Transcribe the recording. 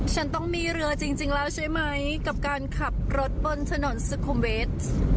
ฉันต้องมีเรือจริงแล้วใช่ไหมกับการขับรถบนถนนสุขุมเวส